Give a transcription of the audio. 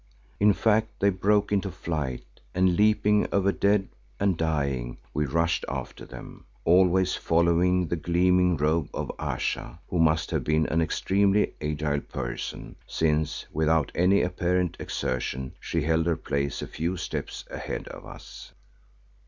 In fact they broke into flight and leaping over dead and dying, we rushed after them, always following the gleaming robe of Ayesha, who must have been an extremely agile person, since without any apparent exertion she held her place a few steps ahead of us.